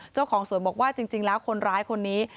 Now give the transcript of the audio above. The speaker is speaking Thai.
เจ้าของสวนบอกว่าจริงแล้วคนร้ายคนนี้